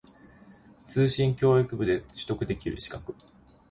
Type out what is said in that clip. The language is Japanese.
通信教育部で取得できる資格